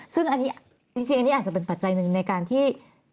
ซึ่งอันนี้จริงอันนี้อาจจะเป็นปัจจัยหนึ่งในการที่